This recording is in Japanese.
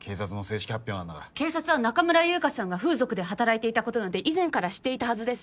警察警察は中村優香さんが風俗で働いていたことなんて以前から知っていたはずです。